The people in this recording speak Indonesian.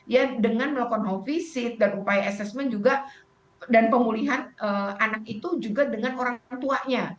ya dengan melakukan how visit dan upaya assessment juga dan pemulihan anak itu juga dengan orang tuanya